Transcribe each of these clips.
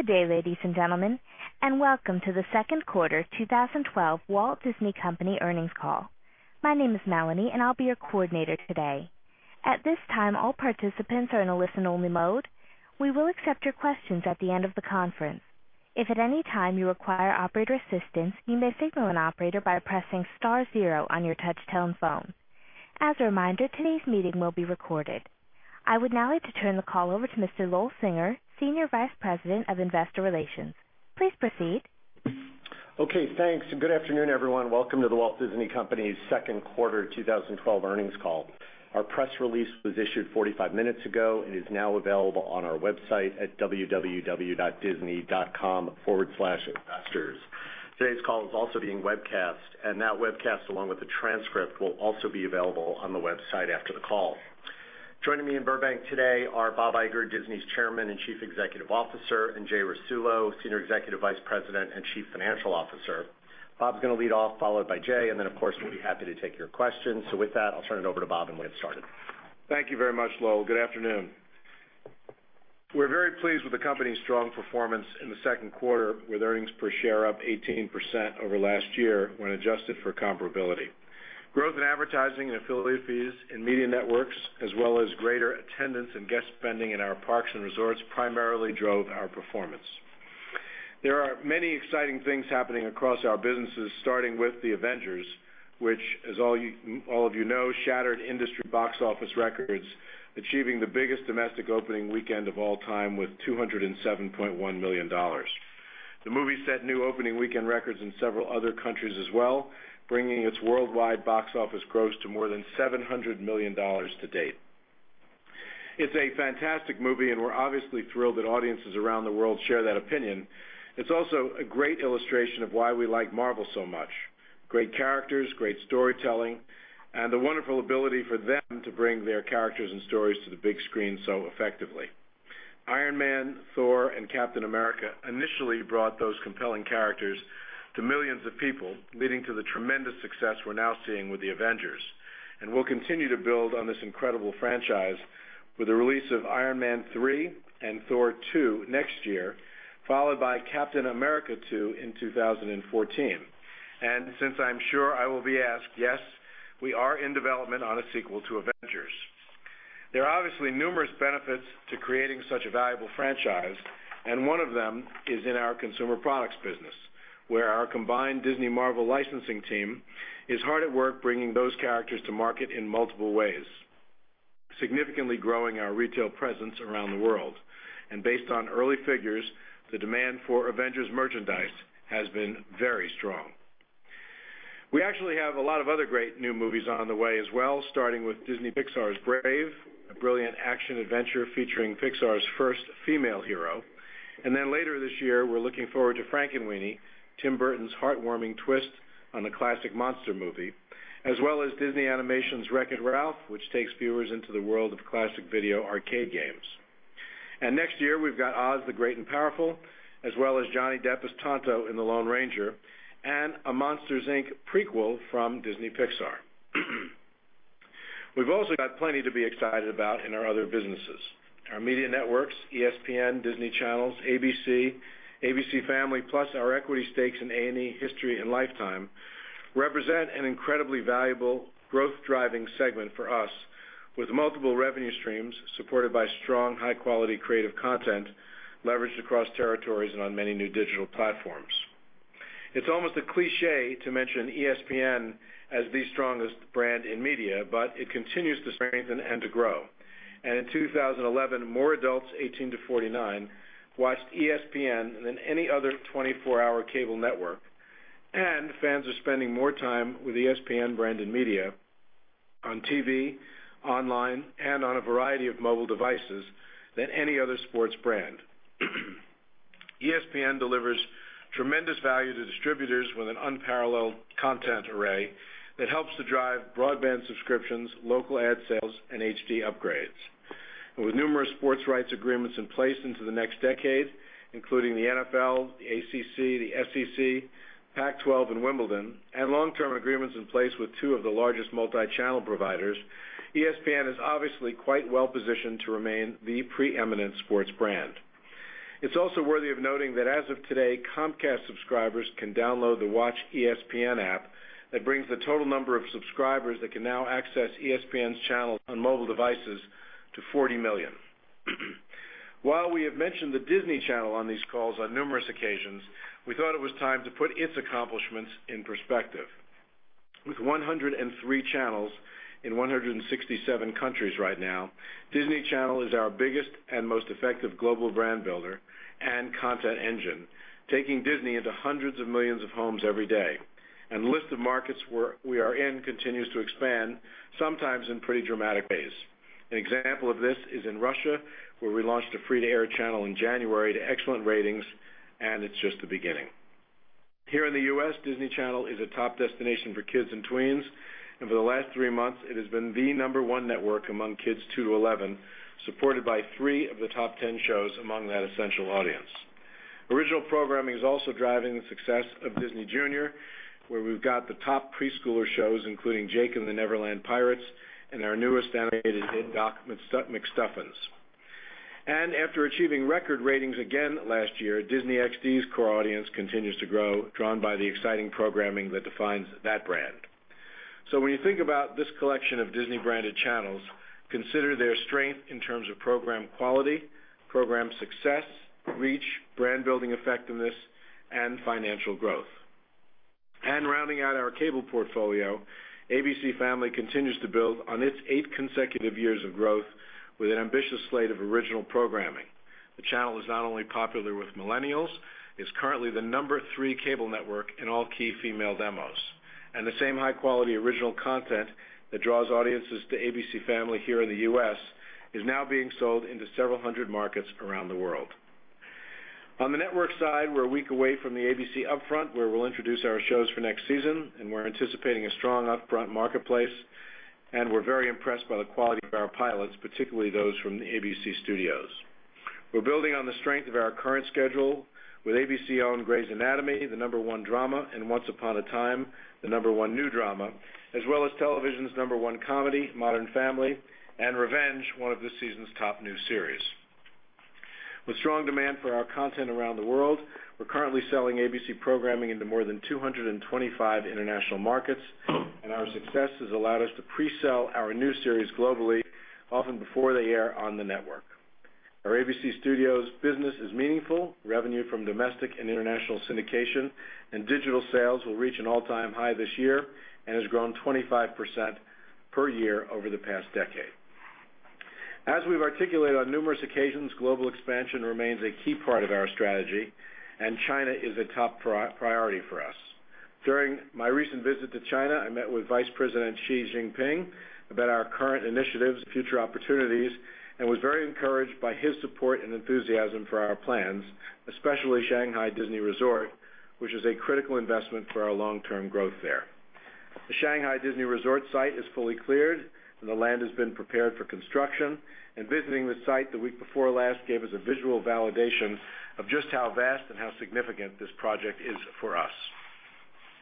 Good day, ladies and gentlemen, and welcome to the Second Quarter of 2012 Walt Disney Company Earnings Call. My name is Melanie, and I'll be your coordinator today. At this time, all participants are in a listen-only mode. We will accept your questions at the end of the conference. If at any time you require operator assistance, you may signal an operator by pressing star zero on your touch-tone phone. As a reminder, today's meeting will be recorded. I would now like to turn the call over to Mr. Lowell Singer, Senior Vice President of Investor Relations. Please proceed. Okay, thanks. Good afternoon, everyone. Welcome to The Walt Disney Company's Second Quarter 2012 Earnings Call. Our press release was issued 45 minutes ago and is now available on our website at www.disney.com/investors. Today's call is also being webcast, and that webcast, along with the transcript, will also be available on the website after the call. Joining me in Burbank today are Bob Iger, Disney's Chairman and Chief Executive Officer, and Jay Rasulo, Senior Executive Vice President and Chief Financial Officer. Bob's going to lead off, followed by Jay, and then, of course, we'll be happy to take your questions. With that, I'll turn it over to Bob and we'll get started. Thank you very much, Lowell. Good afternoon. We're very pleased with the company's strong performance in the second quarter, with earnings per share up 18% over last year when adjusted for comparability. Growth in advertising and affiliate fees in media networks, as well as greater attendance and guest spending in our parks and resorts, primarily drove our performance. There are many exciting things happening across our businesses, starting with The Avengers, which, as all of you know, shattered industry box office records, achieving the biggest domestic opening weekend of all time with $207.1 million. The movie set new opening weekend records in several other countries as well, bringing its worldwide box office gross to more than $700 million to date. It's a fantastic movie, and we're obviously thrilled that audiences around the world share that opinion. It's also a great illustration of why we like Marvel so much: great characters, great storytelling, and the wonderful ability for them to bring their characters and stories to the big screen so effectively. Iron Man, Thor, and Captain America initially brought those compelling characters to millions of people, leading to the tremendous success we're now seeing with Marvel’s The Avengers. We will continue to build on this incredible franchise with the release of Iron Man 3 and Thor 2 next year, followed by Captain America 2 in 2014. Since I'm sure I will be asked, yes, we are in development on a sequel to The Avengers. There are obviously numerous benefits to creating such a valuable franchise, and one of them is in our consumer products business, where our combined Disney-Marvel licensing team is hard at work bringing those characters to market in multiple ways, significantly growing our retail presence around the world. Based on early figures, the demand for Avengers merchandise has been very strong. We actually have a lot of other great new movies on the way as well, starting with Disney Pixar's Brave, a brilliant action adventure featuring Pixar's first female hero. Later this year, we're looking forward to Frankenweenie, Tim Burton's heartwarming twist on a classic monster movie, as well as Disney Animation's Wreck-It Ralph, which takes viewers into the world of classic video arcade games. Next year, we've got Oz the Great and Powerful, as well as Johnny Depp's Tonto in The Lone Ranger, and a Monsters Inc. prequel from Disney Pixar. We've also got plenty to be excited about in our other businesses. Our media networks, ESPN, Disney Channels, ABC, ABC Family, plus our equity stakes in A&E, History, and Lifetime, represent an incredibly valuable growth-driving segment for us, with multiple revenue streams supported by strong, high-quality creative content leveraged across territories and on many new digital platforms. It is almost a cliché to mention ESPN as the strongest brand in media, but it continues to strengthen and to grow. In 2011, more adults 18-49 watched ESPN than any other 24-hour cable network, and fans are spending more time with the ESPN brand in media, on TV, online, and on a variety of mobile devices than any other sports brand. ESPN delivers tremendous value to distributors with an unparalleled content array that helps to drive broadband subscriptions, local ad sales, and HD upgrades. With numerous sports rights agreements in place into the next decade, including the NFL, the ACC, the SEC, Pac-12, and Wimbledon, and long-term agreements in place with two of the largest multichannel providers, ESPN is obviously quite well positioned to remain the preeminent sports brand. It is also worthy of noting that as of today, Comcast subscribers can download the WatchESPN app that brings the total number of subscribers that can now access ESPN's channel on mobile devices to 40 million. While we have mentioned the Disney Channel on these calls on numerous occasions, we thought it was time to put its accomplishments in perspective. With 103 channels in 167 countries right now, Disney Channel is our biggest and most effective global brand builder and content engine, taking Disney into hundreds of millions of homes every day. The list of markets we are in continues to expand, sometimes in pretty dramatic ways. An example of this is in Russia, where we launched a free-to-air channel in January to excellent ratings, and it is just the beginning. Here in the U.S., Disney Channel is a top destination for kids and twins, and for the last three months, it has been the number one network among kids 2-11, supported by three of the top 10 shows among that essential audience. Original programming is also driving the success of Disney Junior, where we've got the top preschooler shows, including Jake and the Neverland Pirates, and our newest animated hit, Doc McStuffins. After achieving record ratings again last year, Disney XD's core audience continues to grow, drawn by the exciting programming that defines that brand. When you think about this collection of Disney-branded channels, consider their strength in terms of program quality, program success, reach, brand-building effectiveness, and financial growth. Rounding out our cable portfolio, ABC Family continues to build on its eight consecutive years of growth with an ambitious slate of original programming. The channel is not only popular with millennials, it's currently the number three cable network in all key female demos. The same high-quality original content that draws audiences to ABC Family here in the U.S. is now being sold into several hundred markets around the world. On the network side, we're a week away from the ABC Upfront, where we'll introduce our shows for next season, and we're anticipating a strong Upfront marketplace. We're very impressed by the quality of our pilots, particularly those from the ABC Studios. We're building on the strength of our current schedule with ABC-owned Grey's Anatomy, the number one drama, and Once Upon a Time, the number one new drama, as well as television's number one comedy, Modern Family, and Revenge, one of this season's top new series. With strong demand for our content around the world, we're currently selling ABC programming into more than 225 international markets, and our success has allowed us to pre-sell our new series globally, often before they air on the network. Our ABC Studios business is meaningful. Revenue from domestic and international syndication and digital sales will reach an all-time high this year and has grown 25%/year over the past decade. As we've articulated on numerous occasions, global expansion remains a key part of our strategy, and China is a top priority for us. During my recent visit to China, I met with Vice President Xi Jinping about our current initiatives, future opportunities, and was very encouraged by his support and enthusiasm for our plans, especially Shanghai Disney Resort, which is a critical investment for our long-term growth there. The Shanghai Disney Resort site is fully cleared, and the land has been prepared for construction. Visiting the site the week before last gave us a visual validation of just how vast and how significant this project is for us.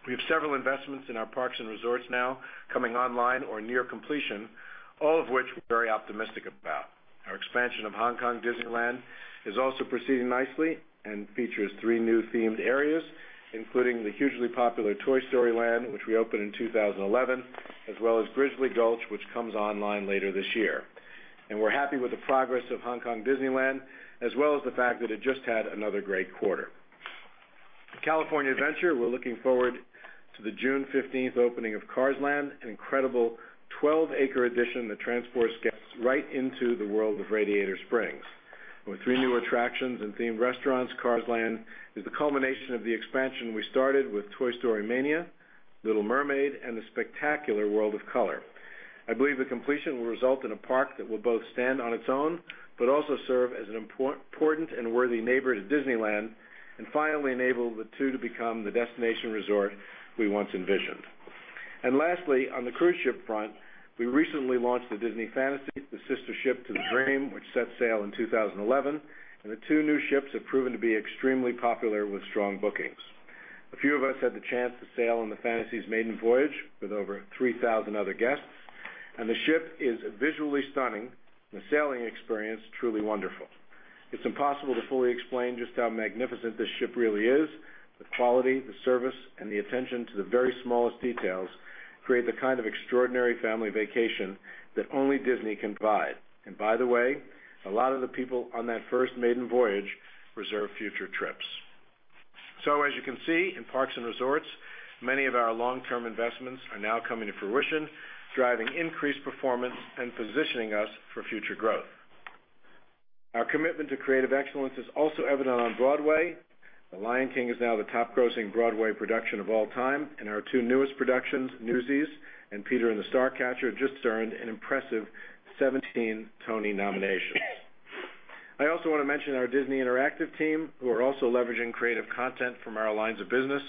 We have several investments in our parks and resorts now coming online or near completion, all of which we're very optimistic about. Our expansion of Hong Kong Disneyland is also proceeding nicely and features three new themed areas, including the hugely popular Toy Story Land, which we opened in 2011, as well as Grizzly Gulch, which comes online later this year. We are happy with the progress of Hong Kong Disneyland, as well as the fact that it just had another great quarter. California Adventure, we're looking forward to the June 15 opening of Cars Land, an incredible 12-acre addition that transports guests right into the world of Radiator Springs. With three new attractions and themed restaurants, Cars Land is the culmination of the expansion we started with Toy Story Mania, Little Mermaid, and the spectacular World of Color. I believe the completion will result in a park that will both stand on its own, but also serve as an important and worthy neighbor to Disneyland, and finally enable the two to become the destination resort we once envisioned. On the cruise ship front, we recently launched the Disney Fantasy, the sister ship to the Dream, which set sail in 2011. The two new ships have proven to be extremely popular with strong bookings. A few of us had the chance to sail on the Fantasy's maiden voyage with over 3,000 other guests, and the ship is visually stunning, and the sailing experience truly wonderful. It's impossible to fully explain just how magnificent this ship really is. The quality, the service, and the attention to the very smallest details create the kind of extraordinary family vacation that only Disney can provide. By the way, a lot of the people on that first maiden voyage reserve future trips. As you can see, in parks and resorts, many of our long-term investments are now coming to fruition, driving increased performance and positioning us for future growth. Our commitment to creative excellence is also evident on Broadway. The Lion King is now the top-grossing Broadway production of all time, and our two newest productions, Newsies and Peter and the Starcatcher, just earned an impressive 17 Tony nominations. I also want to mention our Disney Interactive team, who are also leveraging creative content from our lines of business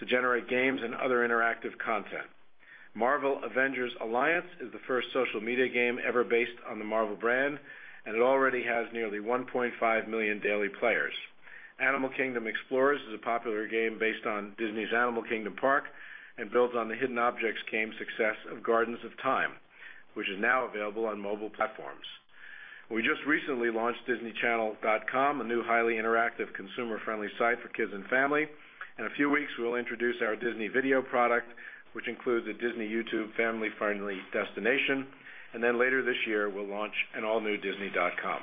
to generate games and other interactive content. Marvel Avengers Alliance is the first social media game ever based on the Marvel brand, and it already has nearly 1.5 million daily players. Animal Kingdom Explorers is a popular game based on Disney's Animal Kingdom Park and builds on the hidden objects game success of Gardens of Time, which is now available on mobile platforms. We just recently launched disneychannel.com, a new highly interactive, consumer-friendly site for kids and family. In a few weeks, we'll introduce our Disney Video product, which includes a Disney YouTube family-friendly destination. Later this year, we'll launch an all-new Disney.com.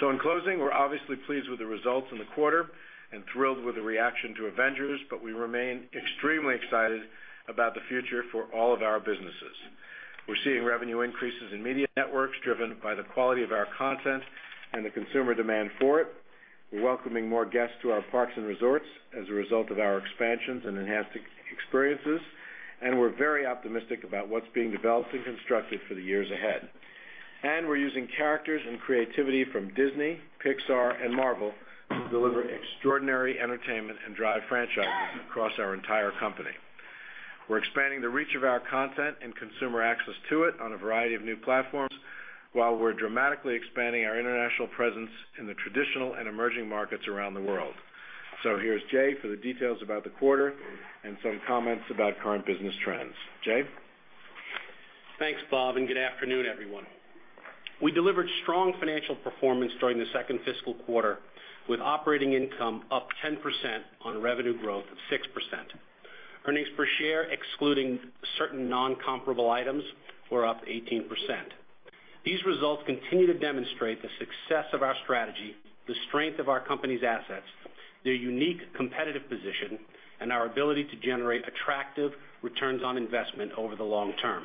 We are obviously pleased with the results in the quarter and thrilled with the reaction to Avengers, but we remain extremely excited about the future for all of our businesses. We are seeing revenue increases in media networks driven by the quality of our content and the consumer demand for it. We are welcoming more guests to our parks and resorts as a result of our expansions and enhancing experiences, and we are very optimistic about what's being developed and constructed for the years ahead. We are using characters and creativity from Disney, Pixar, and Marvel to deliver extraordinary entertainment and drive franchises across our entire company. We are expanding the reach of our content and consumer access to it on a variety of new platforms, while we are dramatically expanding our international presence in the traditional and emerging markets around the world. Here is Jay for the details about the quarter and some comments about current business trends. Jay? Thanks, Bob, and good afternoon, everyone. We delivered strong financial performance during the second fiscal quarter, with operating income up 10% on revenue growth of 6%. Earnings per share, excluding certain non-comparable items, were up 18%. These results continue to demonstrate the success of our strategy, the strength of our company's assets, their unique competitive position, and our ability to generate attractive returns on investment over the long term.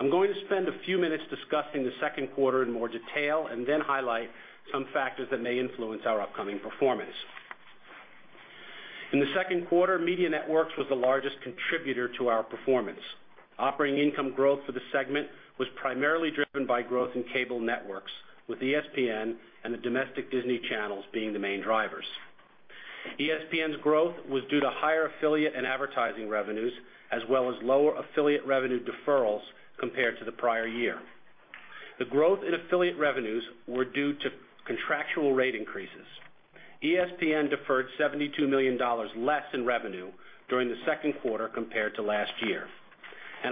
I'm going to spend a few minutes discussing the second quarter in more detail and then highlight some factors that may influence our upcoming performance. In the second quarter, media networks were the largest contributor to our performance. Operating income growth for the segment was primarily driven by growth in cable networks, with ESPN and the domestic Disney Channels being the main drivers. ESPN's growth was due to higher affiliate and advertising revenues, as well as lower affiliate revenue deferrals compared to the prior year. The growth in affiliate revenues was due to contractual rate increases. ESPN deferred $72 million less in revenue during the second quarter compared to last year.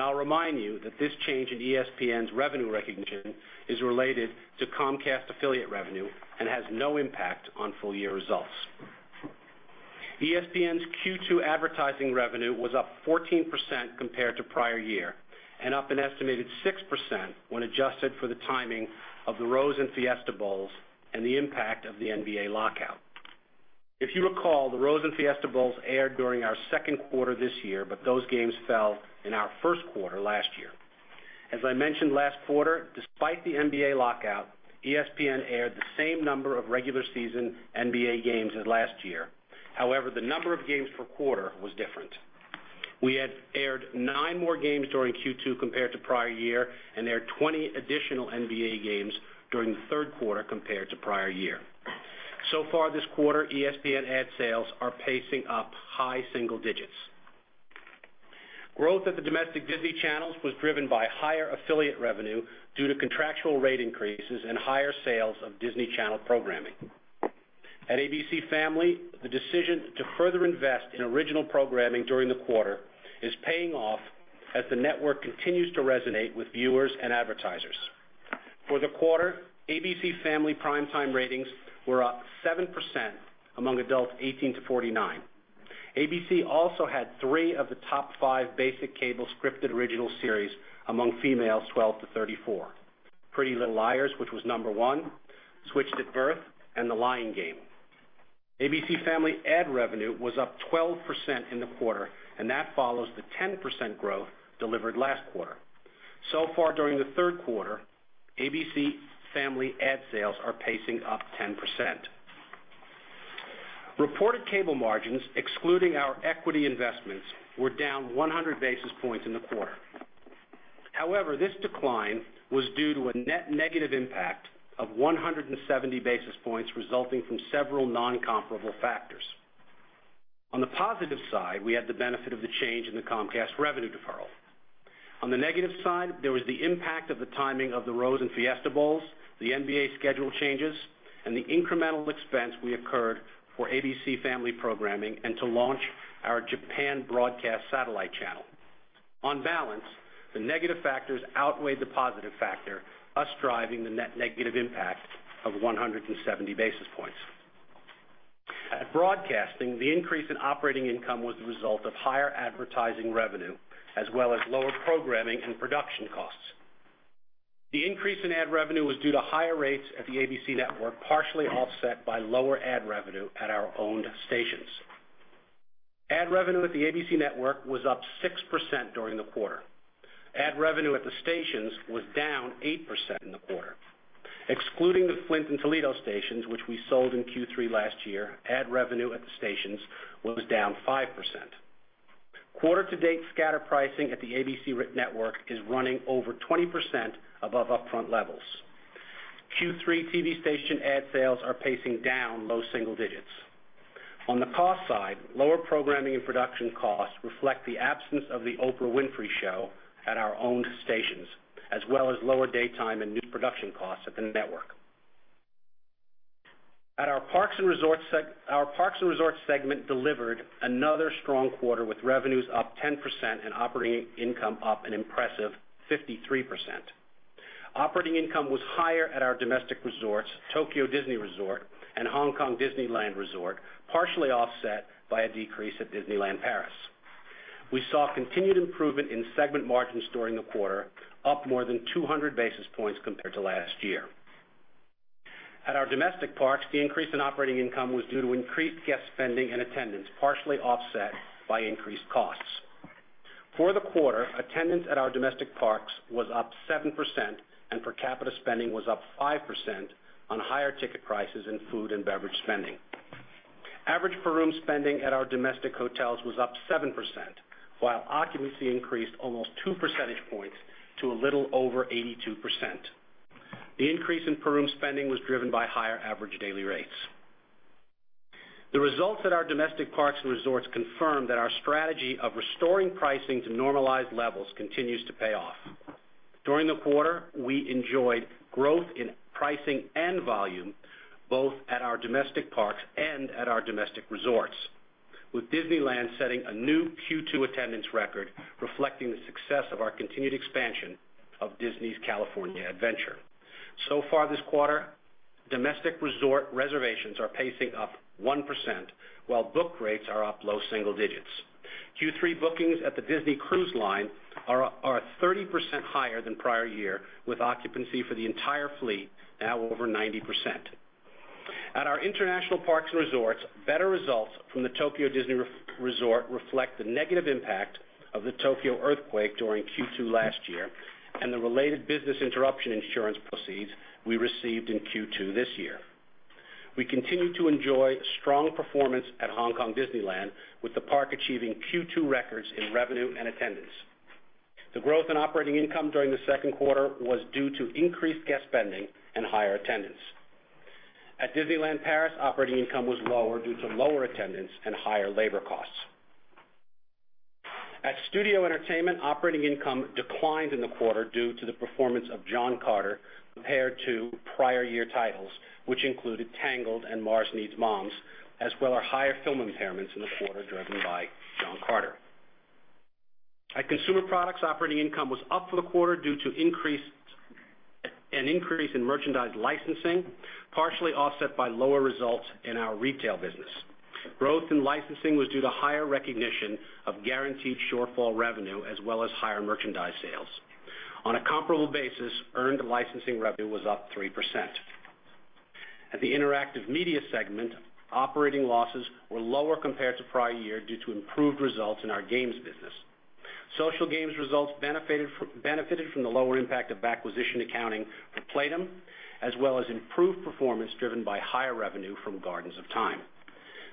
I'll remind you that this change in ESPN's revenue recognition is related to Comcast affiliate revenue and has no impact on full-year results. ESPN's Q2 advertising revenue was up 14% compared to prior year and up an estimated 6% when adjusted for the timing of the Rose and Fiesta Bowls and the impact of the NBA lockout. If you recall, the Rose and Fiesta Bowls aired during our second quarter this year, but those games fell in our first quarter last year. As I mentioned last quarter, despite the NBA lockout, ESPN aired the same number of regular season NBA games as last year. However, the number of games per quarter was different. We had aired nine more games during Q2 compared to prior year and aired 20 additional NBA games during the third quarter compared to prior year. So far this quarter, ESPN ad sales are pacing up high single digits. Growth at the domestic Disney Channels was driven by higher affiliate revenue due to contractual rate increases and higher sales of Disney Channel programming. At ABC Family, the decision to further invest in original programming during the quarter is paying off as the network continues to resonate with viewers and advertisers. For the quarter, ABC Family prime-time ratings were up 7% among adults 18-49. ABC also had three of the top five basic cable scripted original series among females 12-34: Pretty Little Liars, which was number one, Switched at Birth, and The Lying Game. ABC Family ad revenue was up 12% in the quarter, and that follows the 10% growth delivered last quarter. So far during the third quarter, ABC Family ad sales are pacing up 10%. Reported cable margins, excluding our equity investments, were down 100 basis points in the quarter. However, this decline was due to a net negative impact of 170 basis points resulting from several non-comparable factors. On the positive side, we had the benefit of the change in the Comcast revenue deferral. On the negative side, there was the impact of the timing of the Rose and Fiesta Bowls, the NBA schedule changes, and the incremental expense we incurred for ABC Family programming and to launch our Japan broadcast satellite channel. On balance, the negative factors outweighed the positive factor, thus driving the net negative impact of 170 basis points. At broadcasting, the increase in operating income was the result of higher advertising revenue, as well as lower programming and production costs. The increase in ad revenue was due to higher rates at the ABC network, partially offset by lower ad revenue at our owned stations. Ad revenue at the ABC network was up 6% during the quarter. Ad revenue at the stations was down 8% in the quarter. Excluding the Flint and Toledo stations, which we sold in Q3 last year, ad revenue at the stations was down 5%. Quarter-to-date scatter pricing at the ABC network is running over 20% above upfront levels. Q3 TV station ad sales are pacing down low single digits. On the cost side, lower programming and production costs reflect the absence of The Oprah Winfrey Show at our owned stations, as well as lower daytime and new production costs at the network. At our parks and resorts, our parks and resorts segment delivered another strong quarter with revenues up 10% and operating income up an impressive 53%. Operating income was higher at our domestic resorts, Tokyo Disney Resort and Hong Kong Disneyland Resort, partially offset by a decrease at Disneyland Paris. We saw continued improvement in segment margins during the quarter, up more than 200 basis points compared to last year. At our domestic parks, the increase in operating income was due to increased guest spending and attendance, partially offset by increased costs. For the quarter, attendance at our domestic parks was up 7%, and per capita spending was up 5% on higher ticket prices and food and beverage spending. Average per room spending at our domestic hotels was up 7%, while occupancy increased almost two percentage points to a little over 82%. The increase in per room spending was driven by higher average daily rates. The results at our domestic parks and resorts confirm that our strategy of restoring pricing to normalized levels continues to pay off. During the quarter, we enjoyed growth in pricing and volume, both at our domestic parks and at our domestic resorts, with Disneyland setting a new Q2 attendance record, reflecting the success of our continued expansion of Disney California Adventure. So far this quarter, domestic resort reservations are pacing up 1%, while book rates are up low single-digits. Q3 bookings at the Disney Cruise Line are 30% higher than prior year, with occupancy for the entire fleet now over 90%. At our international parks and resorts, better results from the Tokyo Disney Resort reflect the negative impact of the Tokyo earthquake during Q2 last year and the related business interruption insurance proceeds we received in Q2 this year. We continue to enjoy strong performance at Hong Kong Disneyland, with the park achieving Q2 records in revenue and attendance. The growth in operating income during the second quarter was due to increased guest spending and higher attendance. At Disneyland Paris, operating income was lower due to lower attendance and higher labor costs. At Studio Entertainment, operating income declined in the quarter due to the performance of John Carter compared to prior year titles, which included Tangled and Mars Needs Moms, as well as higher film impairments in the quarter driven by John Carter. At consumer products, operating income was up for the quarter due to an increase in merchandise licensing, partially offset by lower results in our retail business. Growth in licensing was due to higher recognition of guaranteed shortfall revenue, as well as higher merchandise sales. On a comparable basis, earned licensing revenue was up 3%. At the interactive media segment, operating losses were lower compared to prior year due to improved results in our games business. Social games results benefited from the lower impact of acquisition accounting for Playdom, as well as improved performance driven by higher revenue from Gardens of Time.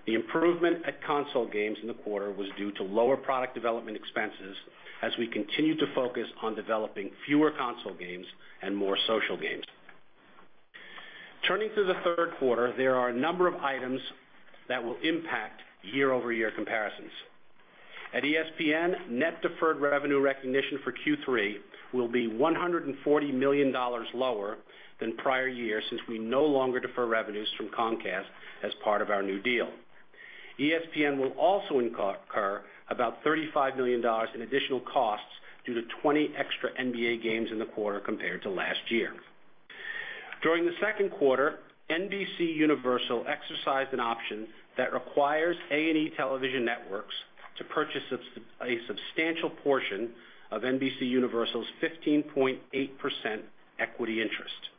The improvement at console games in the quarter was due to lower product development expenses as we continued to focus on developing fewer console games and more social games. Turning to the third quarter, there are a number of items that will impact year-over-year comparisons. At ESPN, net deferred revenue recognition for Q3 will be $140 million lower than prior year since we no longer defer revenues from Comcast as part of our new deal. ESPN will also incur about $35 million in additional costs due to 20 extra NBA games in the quarter compared to last year. During the second quarter, NBC Universal exercised an option that requires A&E television networks to purchase a substantial portion of NBC Universal's 15.8% equity interest.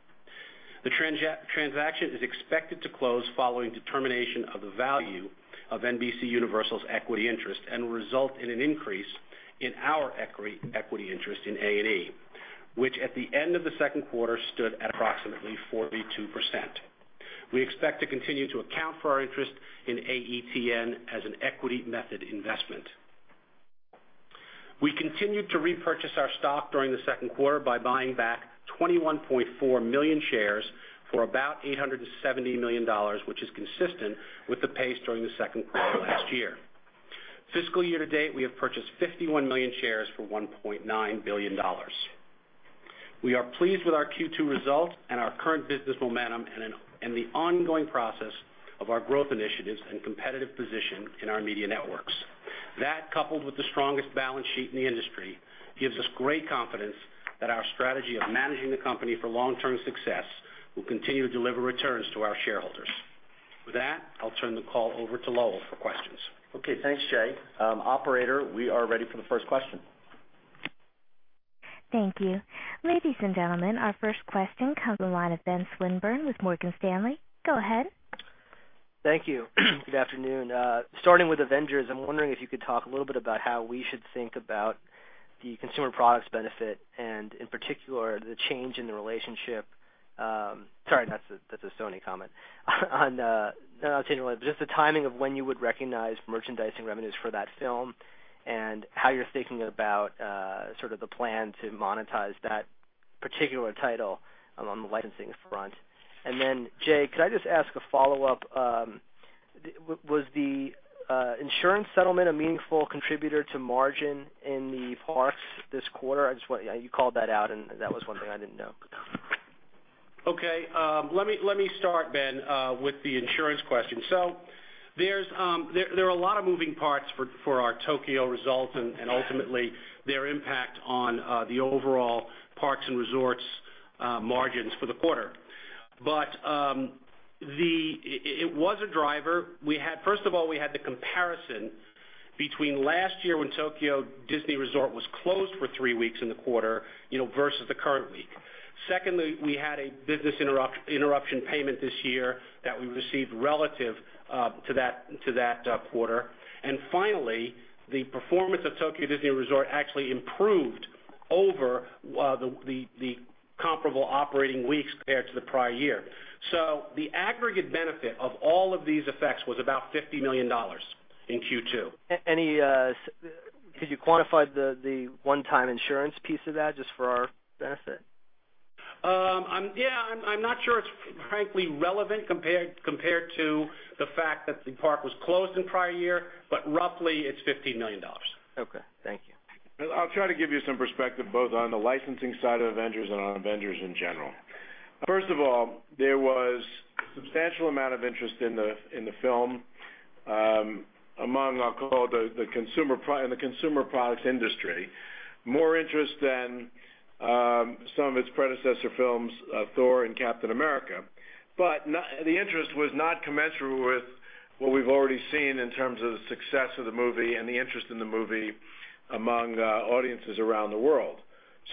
The transaction is expected to close following determination of the value of NBC Universal's equity interest and will result in an increase in our equity interest in A&E, which at the end of the second quarter stood at approximately 42%. We expect to continue to account for our interest in AETN as an equity method investment. We continued to repurchase our stock during the second quarter by buying back 21.4 million shares for about $870 million, which is consistent with the pace during the second quarter last year. Fiscal year to date, we have purchased 51 million shares for $1.9 billion. We are pleased with our Q2 result and our current business momentum and the ongoing process of our growth initiatives and competitive position in our media networks. That, coupled with the strongest balance sheet in the industry, gives us great confidence that our strategy of managing the company for long-term success will continue to deliver returns to our shareholders. With that, I'll turn the call over to Lowell for questions. Okay, thanks, Jay. Operator, we are ready for the first question. Thank you. Ladies and gentlemen, our first question comes in line of Ben Swinburne with Morgan Stanley. Go ahead. Thank you. Good afternoon. Starting with The Avengers, I'm wondering if you could talk a little bit about how we should think about the consumer products benefit and, in particular, the change in the relationship. Sorry, that's a Sony comment. No, I'm not saying it really, but just the timing of when you would recognize merchandising revenues for that film and how you're thinking about sort of the plan to monetize that particular title on the licensing front. Jay, could I just ask a follow-up? Was the insurance settlement a meaningful contributor to margin in the parks this quarter? I just want you called that out, and that was one thing I didn't know. Okay, let me start, Ben, with the insurance question. There are a lot of moving parts for our Tokyo results and, ultimately, their impact on the overall parks and resorts margins for the quarter. It was a driver. First of all, we had the comparison between last year when Tokyo Disney Resort was closed for three weeks in the quarter versus the current week. Secondly, we had a business interruption payment this year that we received relative to that quarter. Finally, the performance of Tokyo Disney Resort actually improved over the comparable operating weeks compared to the prior year. The aggregate benefit of all of these effects was about $50 million in Q2. Could you quantify the one-time insurance piece of that just for our benefit? I'm not sure it's frankly relevant compared to the fact that the park was closed in the prior year, but roughly it's $15 million. Okay, thank you. I'll try to give you some perspective both on the licensing side of Avengers and on Avengers in general. First of all, there was a substantial amount of interest in the film among, I'll call it the consumer products industry, more interest than some of its predecessor films, Thor and Captain America. The interest was not commensurate with what we've already seen in terms of the success of the movie and the interest in the movie among audiences around the world.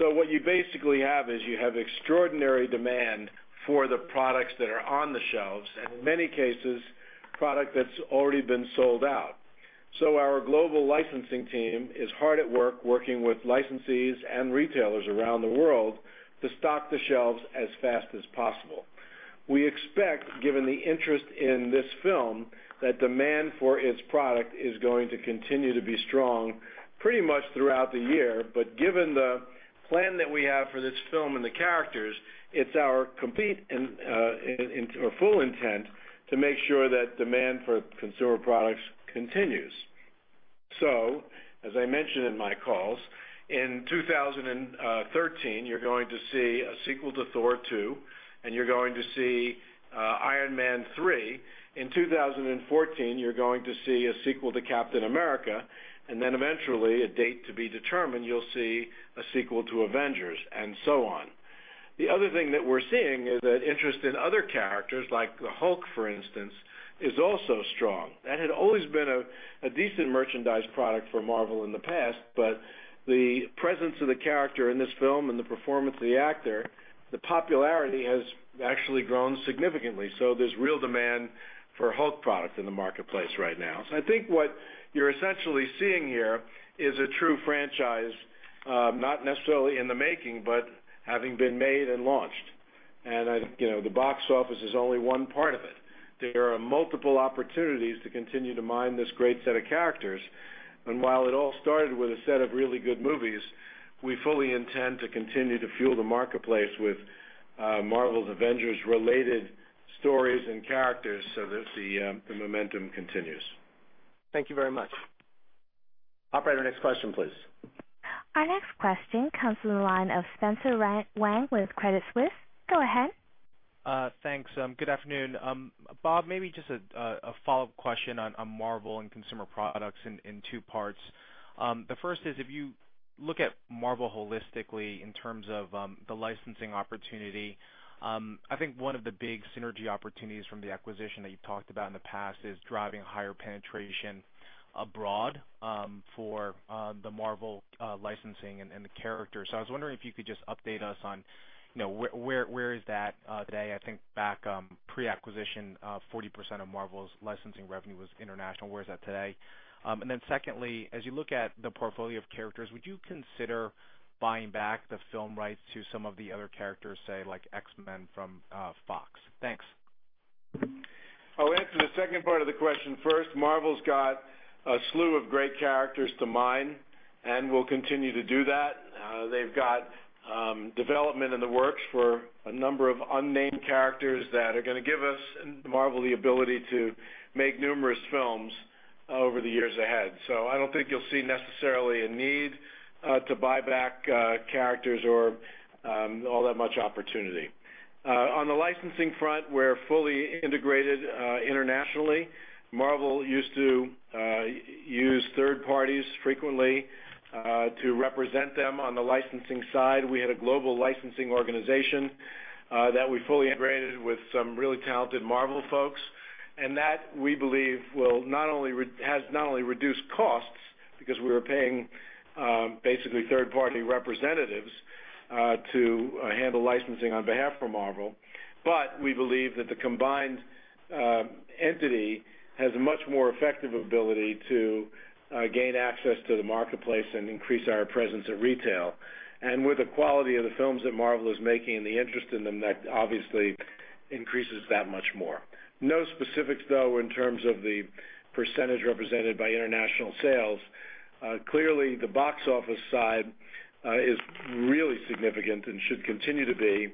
What you basically have is you have extraordinary demand for the products that are on the shelves, and in many cases, product that's already been sold out. Our global licensing team is hard at work working with licensees and retailers around the world to stock the shelves as fast as possible. We expect, given the interest in this film, that demand for its product is going to continue to be strong pretty much throughout the year. Given the plan that we have for this film and the characters, it's our complete and full intent to make sure that demand for consumer products continues. As I mentioned in my calls, in 2013, you're going to see a sequel to Thor 2, and you're going to see Iron Man 3. In 2014, you're going to see a sequel to Captain America, and then eventually, a date to be determined, you'll see a sequel to Avengers, and so on. The other thing that we're seeing is that interest in other characters, like the Hulk, for instance, is also strong. That had always been a decent merchandise product for Marvel in the past, but the presence of the character in this film and the performance of the actor, the popularity has actually grown significantly. There is real demand for Hulk products in the marketplace right now. I think what you're essentially seeing here is a true franchise, not necessarily in the making, but having been made and launched. The box office is only one part of it. There are multiple opportunities to continue to mine this great set of characters. While it all started with a set of really good movies, we fully intend to continue to fuel the marketplace with Marvel's Avengers-related stories and characters so that the momentum continues. Thank you very much. Operator, next question, please. Our next question comes in line with Spencer Wang with Credit Suisse. Go ahead. Thanks. Good afternoon. Bob, maybe just a follow-up question on Marvel and consumer products in two parts. The first is, if you look at Marvel holistically in terms of the licensing opportunity, I think one of the big synergy opportunities from the acquisition that you've talked about in the past is driving higher penetration abroad for the Marvel licensing and the characters. I was wondering if you could just update us on where is that today? I think back pre-acquisition, 40% of Marvel's licensing revenue was international. Where is that today? Secondly, as you look at the portfolio of characters, would you consider buying back the film rights to some of the other characters, say, like X-Men from Fox? Thanks. I'll answer the second part of the question. First, Marvel's got a slew of great characters to mine and will continue to do that. They've got development in the works for a number of unnamed characters that are going to give us and Marvel the ability to make numerous films over the years ahead. I don't think you'll see necessarily a need to buy back characters or all that much opportunity. On the licensing front, we're fully integrated internationally. Marvel used to use third parties frequently to represent them on the licensing side. We had a global licensing organization that we fully integrated with some really talented Marvel folks. We believe that will not only reduce costs because we were paying basically third-party representatives to handle licensing on behalf of Marvel, but we believe that the combined entity has a much more effective ability to gain access to the marketplace and increase our presence at retail. With the quality of the films that Marvel is making and the interest in them, that obviously increases that much more. No specifics, though, in terms of the % represented by international sales. Clearly, the box office side is really significant and should continue to be.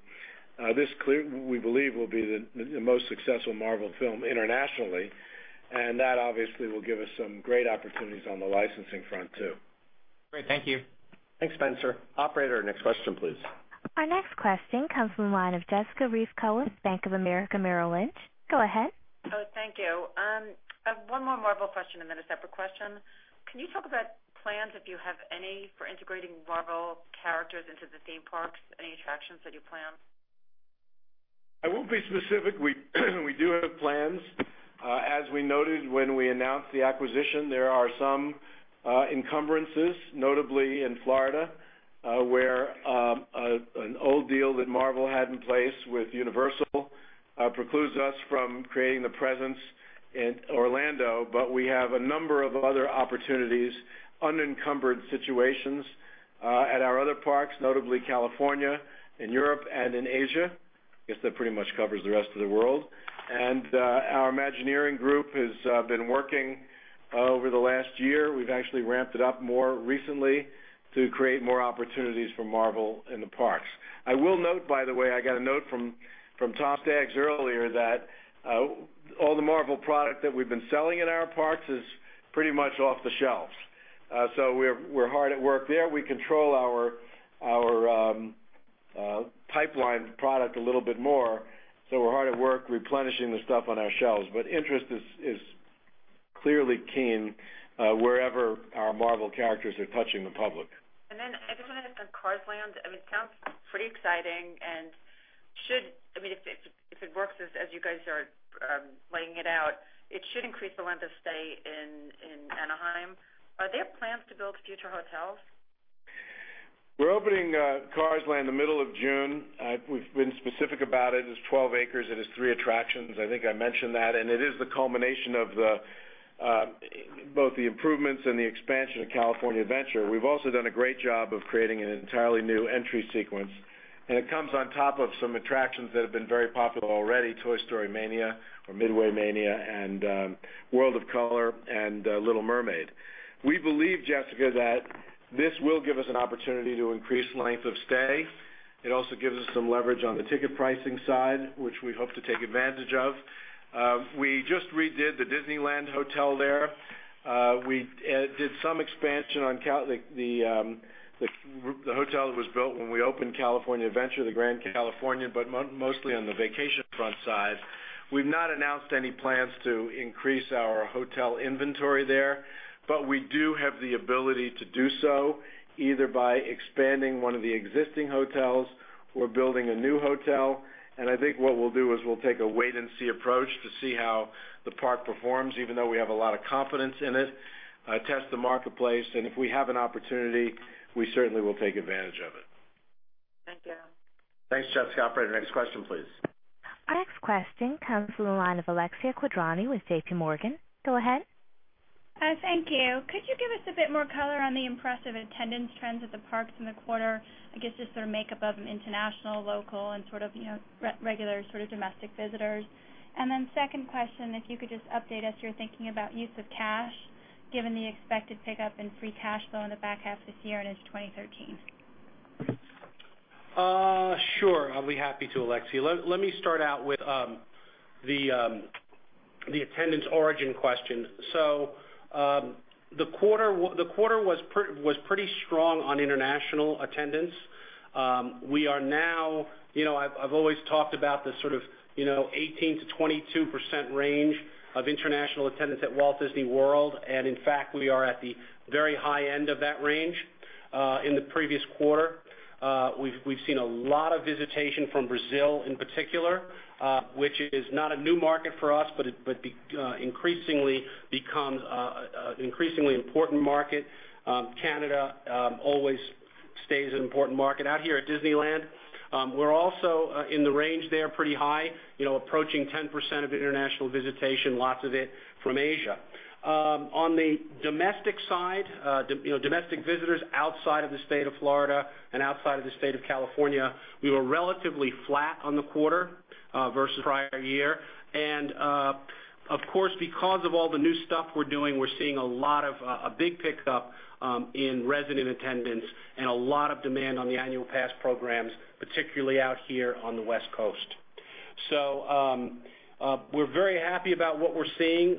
This clearly, we believe, will be the most successful Marvel film internationally. That obviously will give us some great opportunities on the licensing front, too. Great, thank you. Thanks, Spencer. Operator, next question, please. Our next question comes in line of Jessica Reif Cohen, Bank of America Merrill Lynch. Go ahead. Oh, thank you. I have one more Marvel question and then a separate question. Can you talk about plans, if you have any, for integrating Marvel characters into the theme parks? Any attractions that you plan? I won't be specific. We do have plans. As we noted when we announced the acquisition, there are some encumbrances, notably in Florida, where an old deal that Marvel had in place with Universal precludes us from creating the presence in Orlando. We have a number of other opportunities, unencumbered situations at our other parks, notably California, in Europe, and in Asia. I guess that pretty much covers the rest of the world. Our Imagineering group has been working over the last year. We've actually ramped it up more recently to create more opportunities for Marvel in the parks. I will note, by the way, I got a note from Tom Staggs earlier that all the Marvel product that we've been selling in our parks is pretty much off the shelves. We're hard at work there. We control our pipeline product a little bit more. We're hard at work replenishing the stuff on our shelves. Interest is clearly keen wherever our Marvel characters are touching the public. I just want to hit on Cars Land. It sounds pretty exciting. If it works as you guys are laying it out, it should increase the length of stay in Anaheim. Are there plans to build future hotels? We're opening Cars Land in the middle of June. We've been specific about it. It's 12 acres. It has three attractions. I think I mentioned that. It is the culmination of both the improvements and the expansion of California Adventure. We've also done a great job of creating an entirely new entry sequence. It comes on top of some attractions that have been very popular already: Toy Story Mania or Midway Mania, World of Color, and Little Mermaid. We believe, Jessica, that this will give us an opportunity to increase length of stay. It also gives us some leverage on the ticket pricing side, which we hope to take advantage of. We just redid the Disneyland Hotel there. We did some expansion on the hotel that was built when we opened California Adventure, the Grand Californian, but mostly on the vacation front side. We've not announced any plans to increase our hotel inventory there, but we do have the ability to do so either by expanding one of the existing hotels or building a new hotel. I think what we'll do is take a wait-and-see approach to see how the park performs, even though we have a lot of confidence in it, test the marketplace. If we have an opportunity, we certainly will take advantage of it. Thank you. Thanks, Jessica. Operator, next question, please. Our next question comes in line of Alexia Quadrani with JPMorgan. Go ahead. Hi, thank you. Could you give us a bit more color on the impressive attendance trends at the parks in the quarter? I guess just sort of makeup of international, local, and sort of regular domestic visitors. Second question, if you could just update us your thinking about use of cash, given the expected pickup in free cash flow in the back half of this year and into 2013. Sure, I'll be happy to, Alexia. Let me start out with the attendance origin question. The quarter was pretty strong on international attendance. We are now, you know, I've always talked about the sort of 18%-22% range of international attendance at Walt Disney World. In fact, we are at the very high end of that range in the previous quarter. We've seen a lot of visitation from Brazil in particular, which is not a new market for us, but increasingly becomes an increasingly important market. Canada always stays an important market out here at Disneyland. We're also in the range there pretty high, approaching 10% of international visitation, lots of it from Asia. On the domestic side, domestic visitors outside of the state of Florida and outside of the state of California, we were relatively flat on the quarter versus prior year. Of course, because of all the new stuff we're doing, we're seeing a big pickup in resident attendance and a lot of demand on the annual pass programs, particularly out here on the West Coast. We're very happy about what we're seeing.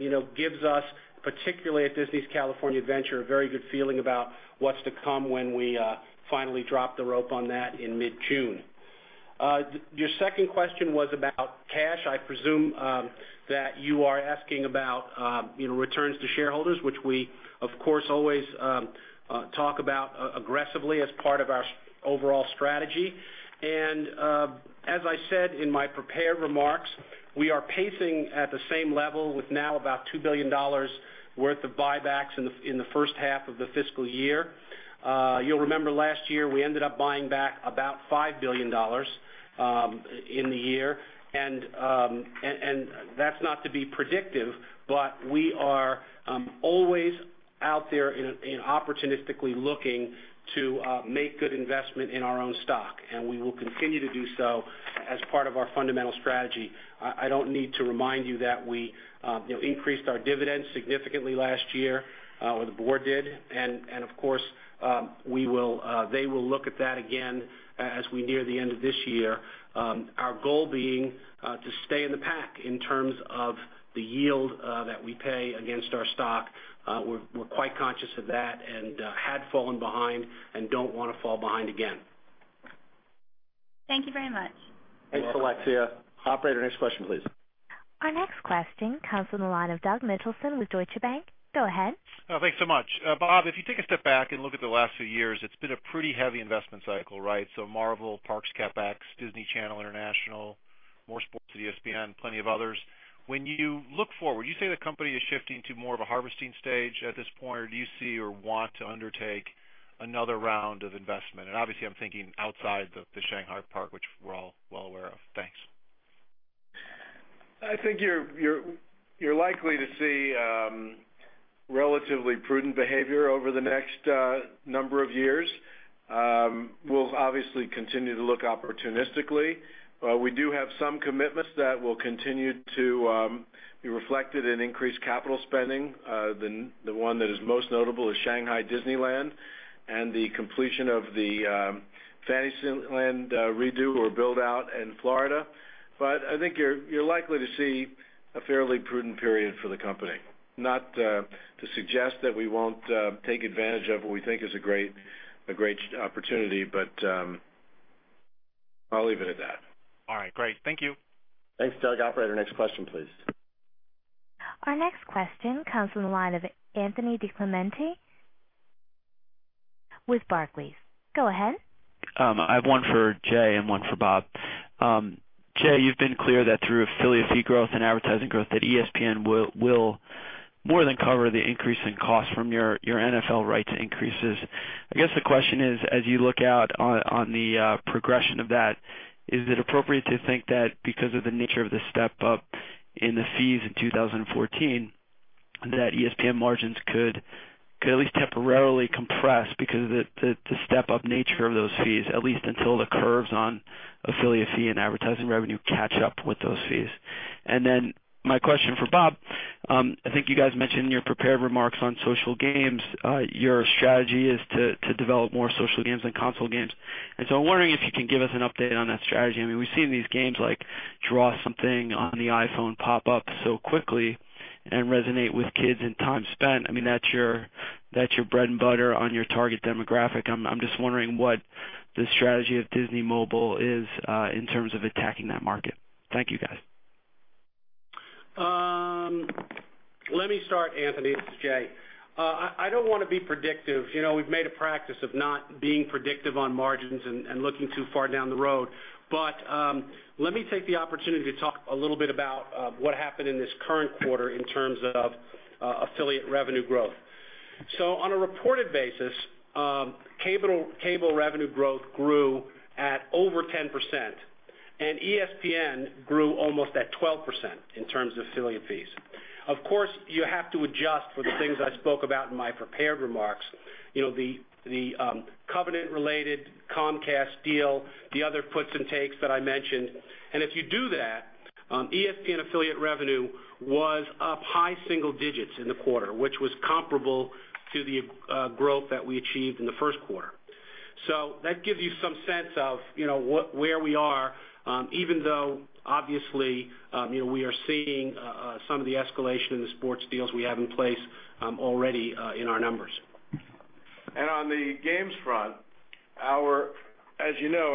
It gives us, particularly at Disney California Adventure, a very good feeling about what's to come when we finally drop the rope on that in mid-June. Your second question was about cash. I presume that you are asking about returns to shareholders, which we, of course, always talk about aggressively as part of our overall strategy. As I said in my prepared remarks, we are pacing at the same level with now about $2 billion worth of buybacks in the first half of the fiscal year. You'll remember last year we ended up buying back about $5 billion in the year. That's not to be predictive, but we are always out there and opportunistically looking to make good investment in our own stock. We will continue to do so as part of our fundamental strategy. I don't need to remind you that we increased our dividends significantly last year, or the board did. Of course, they will look at that again as we near the end of this year, our goal being to stay in the pack in terms of the yield that we pay against our stock. We're quite conscious of that and had fallen behind and don't want to fall behind again. Thank you very much. Thanks, Alexia. Operator, next question, please. Our next question comes on the line of Doug Mitchelson with Deutsche Bank. Go ahead. Thanks so much. Bob, if you take a step back and look at the last few years, it's been a pretty heavy investment cycle, right? Marvel, Parks CapEx, Disney Channel International, more sports at ESPN, plenty of others. When you look forward, would you say the company is shifting to more of a harvesting stage at this point, or do you see or want to undertake another round of investment? Obviously, I'm thinking outside the Shanghai park, which we're all well aware of. Thanks. I think you're likely to see relatively prudent behavior over the next number of years. We'll obviously continue to look opportunistically. We do have some commitments that will continue to be reflected in increased capital spending. The one that is most notable is Shanghai Disney Resort and the completion of the Fantasyland redo or build-out in Florida. I think you're likely to see a fairly prudent period for the company, not to suggest that we won't take advantage of what we think is a great opportunity, but I'll leave it at that. All right, great. Thank you. Thanks, Doug. Operator, next question, please. Our next question comes on the line of Anthony DiClemente with Barclays. Go ahead. I have one for Jay and one for Bob. Jay, you've been clear that through affiliate fee growth and advertising growth that ESPN will more than cover the increase in costs from your NFL rights increases. I guess the question is, as you look out on the progression of that, is it appropriate to think that because of the nature of the step up in the fees in 2014, that ESPN margins could at least temporarily compress because of the step up nature of those fees, at least until the curves on affiliate fee and advertising revenue catch up with those fees? My question for Bob, I think you guys mentioned in your prepared remarks on social games, your strategy is to develop more social games and console games. I'm wondering if you can give us an update on that strategy. We've seen these games like Draw Something on the iPhone pop up so quickly and resonate with kids in time spent. That's your bread and butter on your target demographic. I'm just wondering what the strategy of Disney Mobile is in terms of attacking that market. Thank you, guys. Let me start, Anthony. It's Jay. I don't want to be predictive. You know, we've made a practice of not being predictive on margins and looking too far down the road. Let me take the opportunity to talk a little bit about what happened in this current quarter in terms of affiliate revenue growth. On a reported basis, cable revenue growth grew at over 10%. ESPN grew almost at 12% in terms of affiliate fees. Of course, you have to adjust for the things I spoke about in my prepared remarks, the Covenant-related Comcast deal, the other puts and takes that I mentioned. If you do that, ESPN affiliate revenue was up high single digits in the quarter, which was comparable to the growth that we achieved in the first quarter. That gives you some sense of where we are, even though obviously we are seeing some of the escalation in the sports deals we have in place already in our numbers. On the games front, as you know,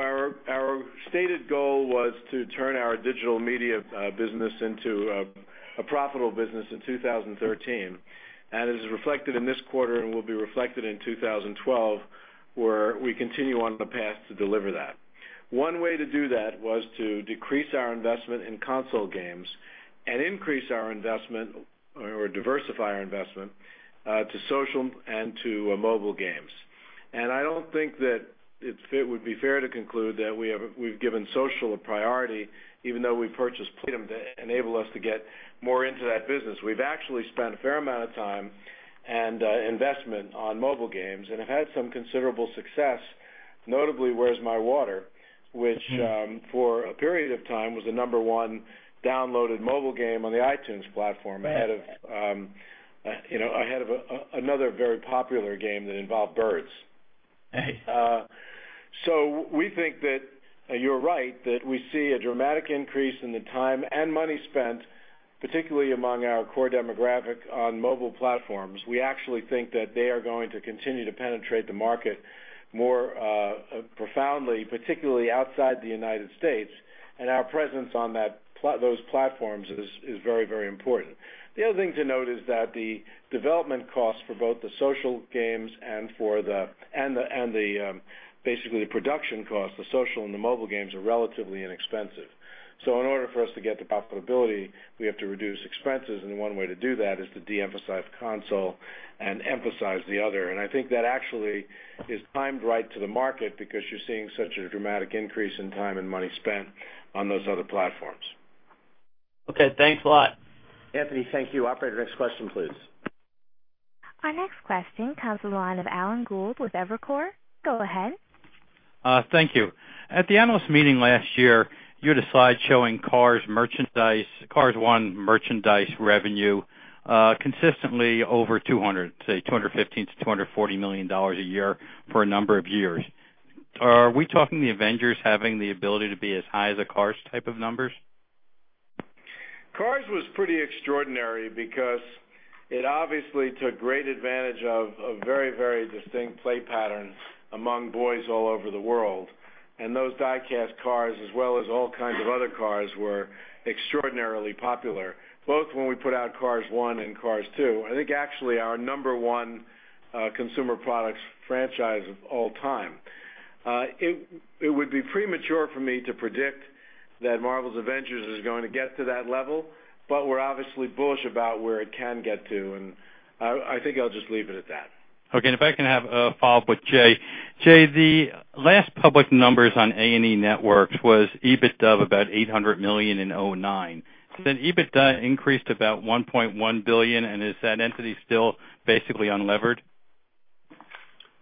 our stated goal was to turn our digital media business into a profitable business in 2013. It is reflected in this quarter and will be reflected in 2012, where we continue on the path to deliver that. One way to do that was to decrease our investment in console games and increase our investment or diversify our investment to social and to mobile games. I don't think that it would be fair to conclude that we've given social a priority, even though we purchased Playtime to enable us to get more into that business. We've actually spent a fair amount of time and investment on mobile games and have had some considerable success, notably Where's My Water, which for a period of time was the number one downloaded mobile game on the iTunes platform, ahead of another very popular game that involved birds. We think that you're right that we see a dramatic increase in the time and money spent, particularly among our core demographic on mobile platforms. We actually think that they are going to continue to penetrate the market more profoundly, particularly outside the U.S. Our presence on those platforms is very, very important. The other thing to note is that the development costs for both the social games and basically the production costs, the social and the mobile games, are relatively inexpensive. In order for us to get to profitability, we have to reduce expenses. One way to do that is to de-emphasize console and emphasize the other. I think that actually is timed right to the market because you're seeing such a dramatic increase in time and money spent on those other platforms. Okay, thanks a lot. Anthony, thank you. Operator, next question, please. Our next question comes in the line of Alan Gould with Evercore. Go ahead. Thank you. At the annual meeting last year, you had a slide showing Cars merchandise, Cars One merchandise revenue consistently over $215 million-$240 million a year for a number of years. Are we talking the Avengers having the ability to be as high as a Cars type of numbers? Cars was pretty extraordinary because it obviously took great advantage of very, very distinct play patterns among boys all over the world. Those diecast cars, as well as all kinds of other cars, were extraordinarily popular, both when we put out Cars One and Cars Two. I think actually our number one consumer products franchise of all time. It would be premature for me to predict that Marvel’s The Avengers is going to get to that level, but we’re obviously bullish about where it can get to. I think I’ll just leave it at that. Okay, and if I can have a follow-up with Jay. Jay, the last public numbers on A&E Networks was EBITDA of about $800 million in 2009. EBITDA increased to about $1.1 billion, and is that entity still basically unlevered?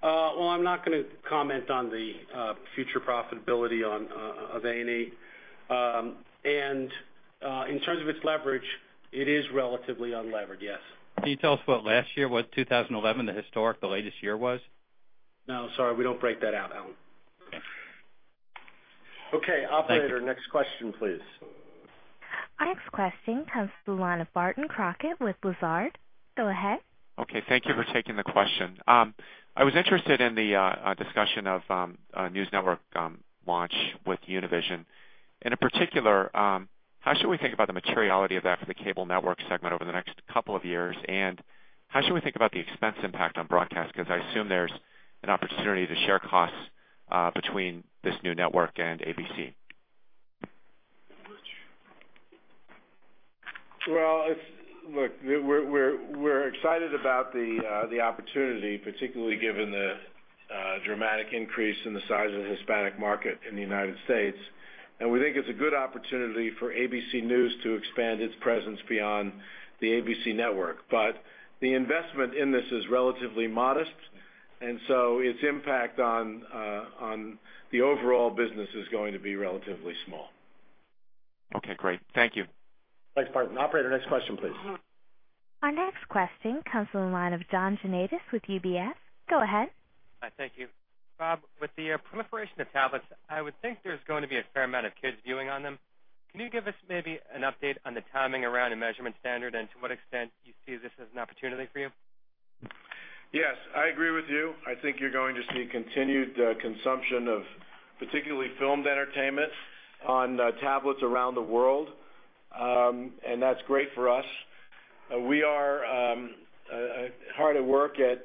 I'm not going to comment on the future profitability of A&E. In terms of its leverage, it is relatively unlevered, yes. Can you tell us what last year, what 2011, the historic, the latest year was? No, sorry, we don't break that out, Alan. Okay. Okay, operator, next question, please. Our next question comes to the line of Barton Crockett with Lazard. Go ahead. Okay, thank you for taking the question. I was interested in the discussion of News Network launch with Univision. In particular, how should we think about the materiality of that for the cable network segment over the next couple of years? How should we think about the expense impact on broadcast? I assume there's an opportunity to share costs between this new network and ABC. We are excited about the opportunity, particularly given the dramatic increase in the size of the Hispanic market in the United States. We think it's a good opportunity for ABC News to expand its presence beyond the ABC network. The investment in this is relatively modest, so its impact on the overall business is going to be relatively small. Okay, great. Thank you. Thanks, Barton. Operator, next question, please. Our next question comes on the line of John Janedis with UBS. Go ahead. Hi, thank you. Bob, with the proliferation of tablets, I would think there's going to be a fair amount of kids viewing on them. Can you give us maybe an update on the timing around a measurement standard and to what extent you see this as an opportunity for you? Yes, I agree with you. I think you're going to see continued consumption of particularly filmed entertainment on tablets around the world. That's great for us. We are hard at work at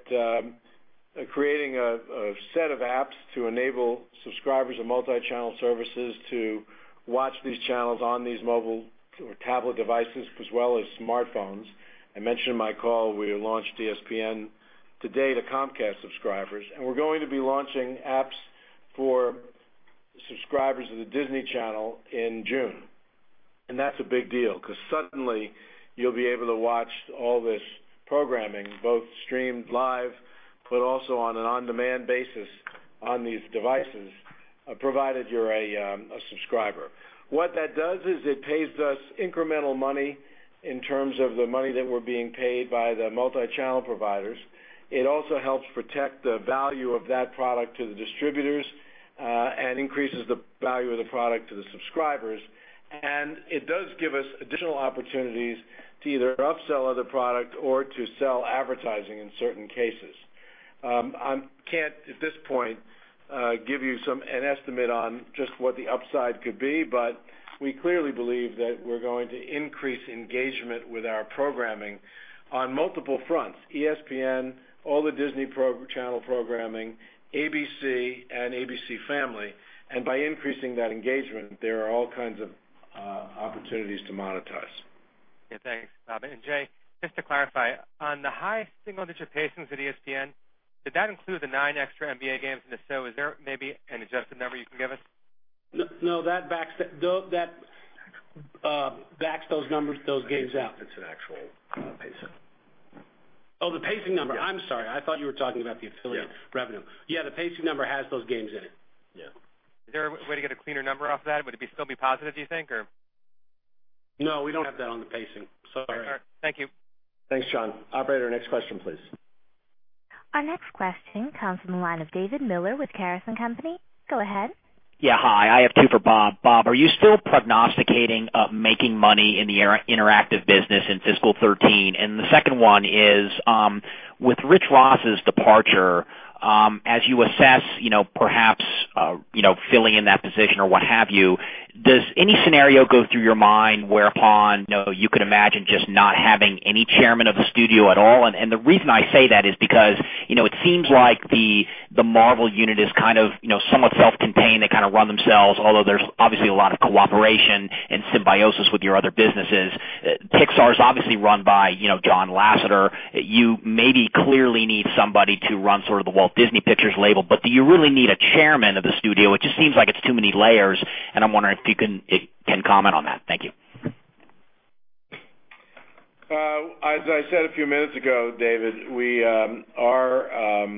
creating a set of apps to enable subscribers of multi-channel services to watch these channels on these mobile or tablet devices, as well as smartphones. I mentioned in my call, we launched ESPN today to Comcast subscribers. We're going to be launching apps for subscribers of the Disney Channel in June. That's a big deal because suddenly you'll be able to watch all this programming, both streamed live, but also on an on-demand basis on these devices, provided you're a subscriber. What that does is it pays us incremental money in terms of the money that we're being paid by the multi-channel providers. It also helps protect the value of that product to the distributors and increases the value of the product to the subscribers. It does give us additional opportunities to either upsell other products or to sell advertising in certain cases. I can't, at this point, give you an estimate on just what the upside could be, but we clearly believe that we're going to increase engagement with our programming on multiple fronts: ESPN, all the Disney Channel programming, ABC, and ABC Family. By increasing that engagement, there are all kinds of opportunities to monetize. Yeah, thanks, Bob. Jay, just to clarify, on the high single-digit pacings at ESPN, did that include the nine extra NBA games in the show? Is there maybe an exact number you can give us? No, that backs those numbers, those games out. It's an actual pacing. Oh, the pacing number. I'm sorry. I thought you were talking about the affiliate revenue. Yeah, the pacing number has those games in it. Yeah. Is there a way to get a cleaner number off of that? Would it still be positive, do you think? No, we don't have that on the pacing. Sorry. All right. Thank you. Thanks, Sean. Operator, next question, please. Our next question comes in the line of David Miller with Caris & Company. Go ahead. Yeah, hi. I have two for Bob. Bob, are you still prognosticating making money in the interactive business in fiscal 2013? The second one is, with Rich Ross's departure, as you assess, perhaps filling in that position or what have you, does any scenario go through your mind whereupon you could imagine just not having any Chairman of the Studio at all? The reason I say that is because it seems like the Marvel unit is kind of somewhat self-contained. They kind of run themselves, although there's obviously a lot of cooperation and symbiosis with your other businesses. Pixar is obviously run by John Lasseter. You maybe clearly need somebody to run sort of the Walt Disney Pictures label, but do you really need a Chairman of the Studio? It just seems like it's too many layers. I'm wondering if you can comment on that. Thank you. As I said a few minutes ago, David, our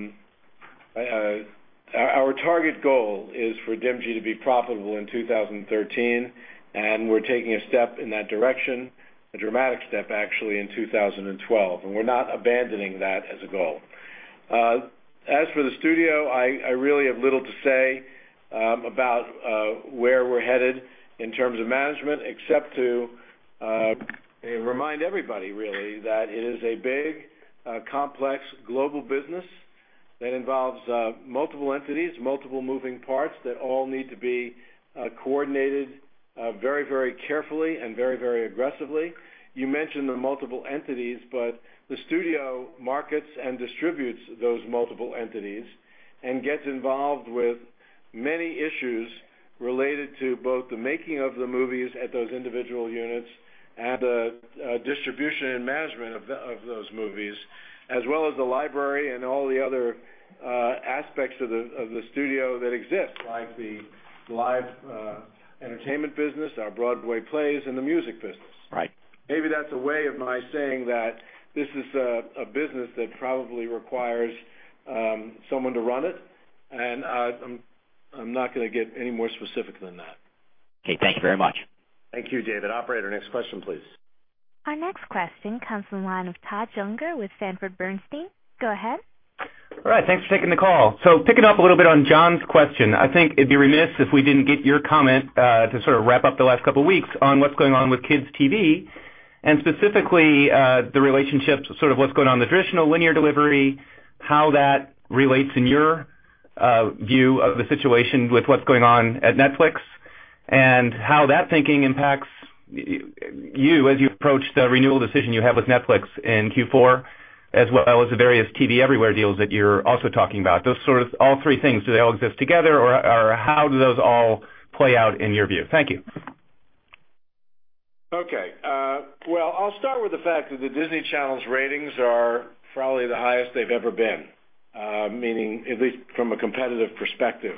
target goal is for Disney to be profitable in 2013. We're taking a step in that direction, a dramatic step, actually, in 2012. We're not abandoning that as a goal. As for the studio, I really have little to say about where we're headed in terms of management, except to remind everybody, really, that it is a big, complex, global business that involves multiple entities, multiple moving parts that all need to be coordinated very, very carefully and very, very aggressively. You mentioned the multiple entities, but the studio markets and distributes those multiple entities and gets involved with many issues related to both the making of the movies at those individual units and the distribution and management of those movies, as well as the library and all the other aspects of the studio that exist, like the live entertainment business, our Broadway plays, and the music business. Right. Maybe that's a way of my saying that this is a business that probably requires someone to run it. I'm not going to get any more specific than that. Okay, thank you very much. Thank you, David. Operator, next question, please. Our next question comes from the line of Todd Juenger with Sanford Bernstein. Go ahead. All right, thanks for taking the call. Picking up a little bit on John's question, I think it'd be remiss if we didn't get your comment to sort of wrap up the last couple of weeks on what's going on with kids' TV, and specifically the relationship, sort of what's going on with traditional linear delivery, how that relates in your view of the situation with what's going on at Netflix, and how that thinking impacts you as you approach the renewal decision you have with Netflix in Q4, as well as the various TV everywhere deals that you're also talking about. Do those sort of all three things, do they all exist together or how do those all play out in your view? Thank you. Okay. I'll start with the fact that the Disney Channel's ratings are probably the highest they've ever been, meaning at least from a competitive perspective.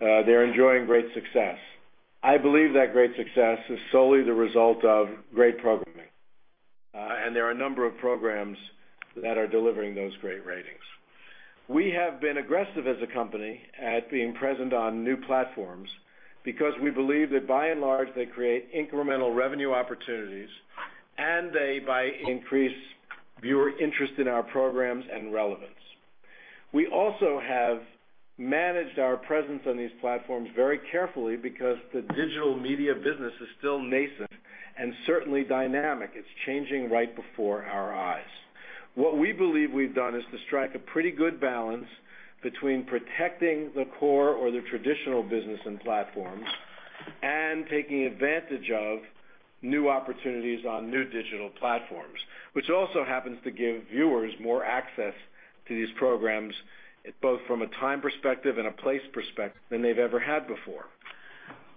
They're enjoying great success. I believe that great success is solely the result of great programming, and there are a number of programs that are delivering those great ratings. We have been aggressive as a company at being present on new platforms because we believe that, by and large, they create incremental revenue opportunities and they, by increase, viewer interest in our programs and relevance. We also have managed our presence on these platforms very carefully because the digital media business is still nascent and certainly dynamic. It's changing right before our eyes. What we believe we've done is to strike a pretty good balance between protecting the core or the traditional business and platform and taking advantage of new opportunities on new digital platforms, which also happens to give viewers more access to these programs, both from a time perspective and a place perspective, than they've ever had before.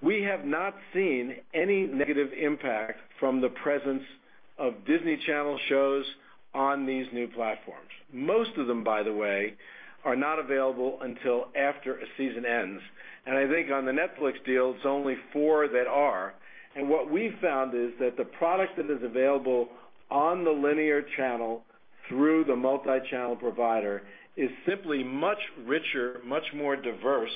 We have not seen any negative impact from the presence of Disney Channel shows on these new platforms. Most of them, by the way, are not available until after a season ends. I think on the Netflix deal, it's only four that are. What we found is that the product that is available on the linear channel through the multi-channel provider is simply much richer, much more diverse,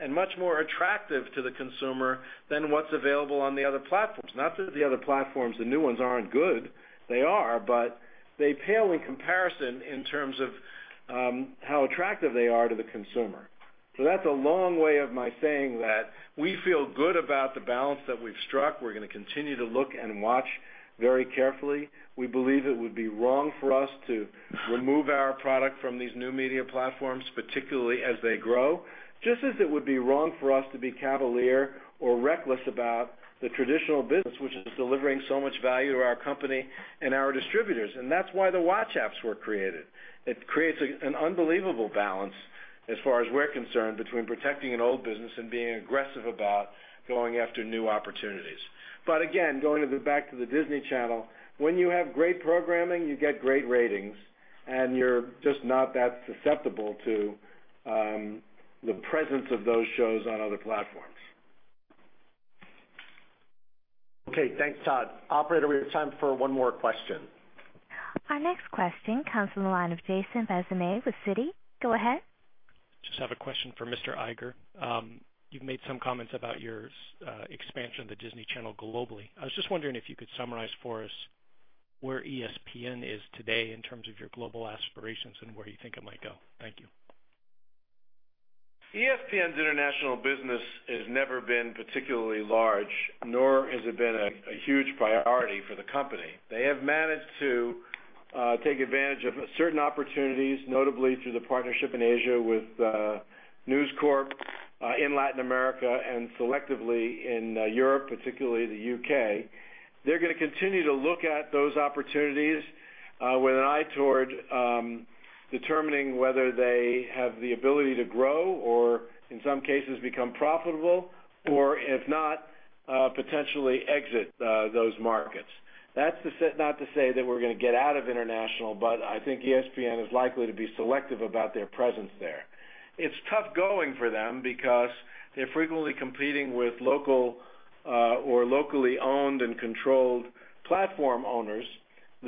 and much more attractive to the consumer than what's available on the other platforms. Not that the other platforms, the new ones, aren't good. They are, but they pale in comparison in terms of how attractive they are to the consumer. That's a long way of my saying that we feel good about the balance that we've struck. We're going to continue to look and watch very carefully. We believe it would be wrong for us to remove our product from these new media platforms, particularly as they grow, just as it would be wrong for us to be cavalier or reckless about the traditional business, which is delivering so much value to our company and our distributors. That's why the watch apps were created. It creates an unbelievable balance, as far as we're concerned, between protecting an old business and being aggressive about going after new opportunities. Again, going back to the Disney Channel, when you have great programming, you get great ratings, and you're just not that susceptible to the presence of those shows on other platforms. Okay, thanks, Todd. Operator, we have time for one more question. Our next question comes from the line of Jason Bazinet with Citi. Go ahead. Just have a question for Mr. Iger. You've made some comments about your expansion of the Disney Channel globally. I was just wondering if you could summarize for us where ESPN is today in terms of your global aspirations and where you think it might go. Thank you. ESPN's international business has never been particularly large, nor has it been a huge priority for the company. They have managed to take advantage of certain opportunities, notably through the partnership in Asia with News Corp in Latin America and selectively in Europe, particularly the U.K.. They are going to continue to look at those opportunities with an eye toward determining whether they have the ability to grow or, in some cases, become profitable, or if not, potentially exit those markets. That is not to say that we are going to get out of international, but I think ESPN is likely to be selective about their presence there. It is tough going for them because they are frequently competing with local or locally owned and controlled platform owners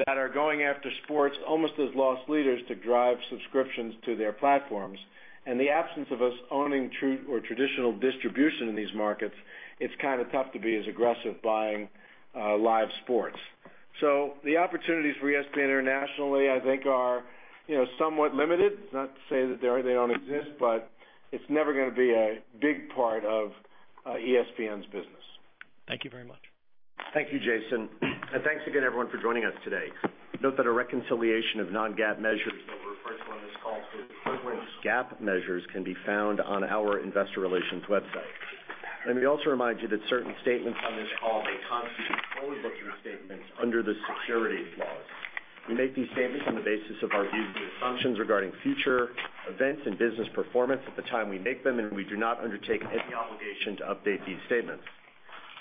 that are going after sports almost as loss leaders to drive subscriptions to their platforms. In the absence of us owning true or traditional distribution in these markets, it is kind of tough to be as aggressive buying live sports. The opportunities for ESPN internationally, I think, are somewhat limited. It is not to say that they do not exist, but it is never going to be a big part of ESPN's business. Thank you very much. Thank you, Jason. Thank you again, everyone, for joining us today. Note that a reconciliation of non-GAAP measures that were referred to on this call for equivalent GAAP measures can be found on our Investor Relations website. Let me also remind you that certain statements on this call may constitute forward-looking statements under the security clause. We make these statements on the basis of our duty to assumptions regarding future events and business performance at the time we make them, and we do not undertake any obligation to update these statements.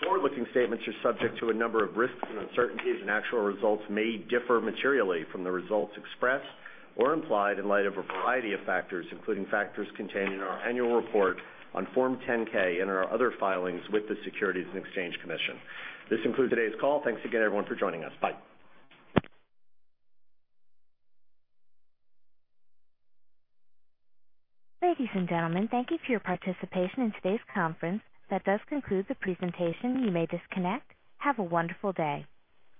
Forward-looking statements are subject to a number of risks and uncertainties, and actual results may differ materially from the results expressed or implied in light of a variety of factors, including factors contained in our annual report on Form 10-K and our other filings with the Securities and Exchange Commission. This concludes today's call. Thank you again, everyone, for joining us. Bye. Ladies and gentlemen, thank you for your participation in today's conference. That does conclude the presentation. You may disconnect. Have a wonderful day.